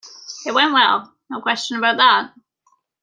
It went well; no question about that.